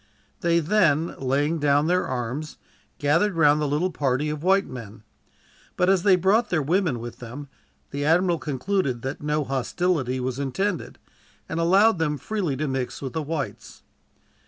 They then, laying down their arms, gathered round the little party of white men; but as they brought their women with them, the admiral concluded that no hostility was intended, and allowed them freely to mix with the whites.